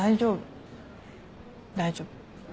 大丈夫。